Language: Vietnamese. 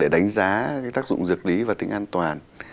đánh giá tác dụng dược lý và tính an toàn